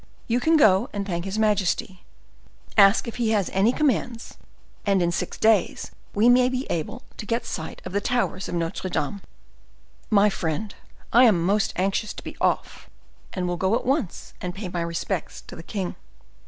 You can go and thank his majesty, ask if he has any commands, and in six days we may be able to get sight of the towers of Notre Dame." "My friend, I am most anxious to be off, and will go at once and pay my respects to the king."